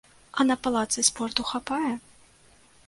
А на палацы спорту хапае?